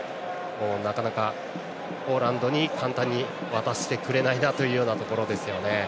なかなかポーランドに簡単に渡してくれないなというところですよね。